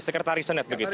sekretari senat begitu